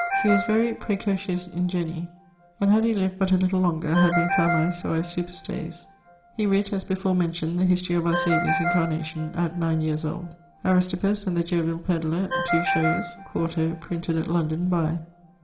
He was very praecocis ingenii, and had he lived but a little longer had been famae suae superstes. He writt (as before mentioned) the history of our Saviour's incarnation (at 9 yeers old). Aristippus, and the Joviall Pedler, 2 shewes, quarto, printed at London by....